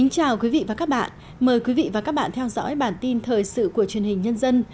chào mừng quý vị đến với bản tin thời sự của truyền hình nhân dân